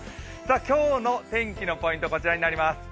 今日の天気のポイントはこちらになります。